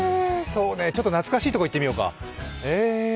そうね、ちょっと懐かしいとこいってみようか。